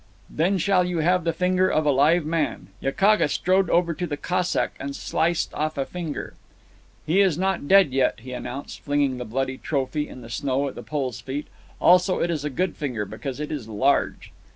"Then shall you have the finger of a live man." Yakaga strode over to the Cossack and sliced off a finger. "He is not yet dead," he announced, flinging the bloody trophy in the snow at the Pole's feet. "Also, it is a good finger, because it is large."